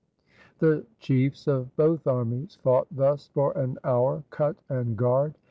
The chiefs of both armies fought thus for an hour, cut and guard.